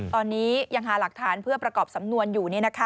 ตอนนี้ยังหาหลักฐานเพื่อประกอบสำนวนอยู่